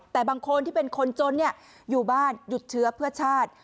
แต่บางคนที่เป็นคนจนอยู่บ้านหยุดเชื้อเพื่อชาติ